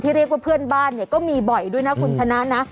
เรียกว่าเพื่อนบ้านเนี่ยก็มีบ่อยด้วยนะคุณชนะนะ